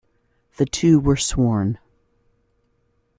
The two were sworn.